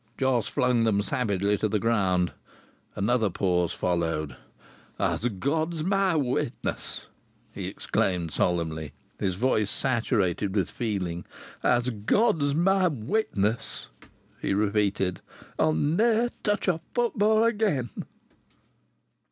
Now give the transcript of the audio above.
Jos flung them savagely to the ground. Another pause followed. "As God is my witness," he exclaimed solemnly, his voice saturated with feeling, "as God is my witness," he repeated, "I'll ne'er touch a footba' again!"